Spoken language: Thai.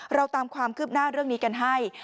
เราตามความคืบหน้าเรื่องนี้กันให้